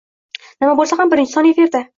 Nima boʻlsa ham birinchi soni efirda.